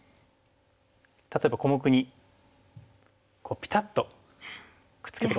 例えば小目にこうピタッとくっつけてこられたら。